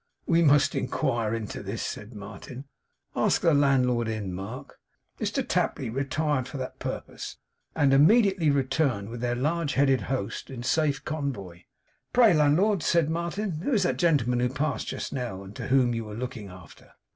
'We must inquire into this!' said Martin. 'Ask the landlord in, Mark.' Mr Tapley retired for that purpose, and immediately returned with their large headed host in safe convoy. 'Pray, landlord!' said Martin, 'who is that gentleman who passed just now, and whom you were looking after?